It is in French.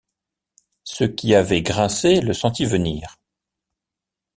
Ce qui avait grincé le sentit venir.